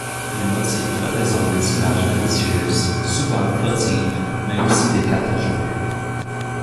Les motifs représente des images religieuses, souvent votives, mais aussi des cartes à jouer.